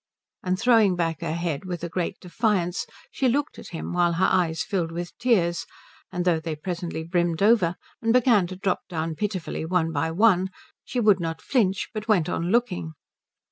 And throwing back her head with a great defiance she looked at him while her eyes filled with tears; and though they presently brimmed over, and began to drop down pitifully one by one, she would not flinch but went on looking.